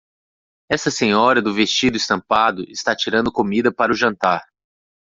Esta senhora do vestido estampado está tirando comida para o jantar.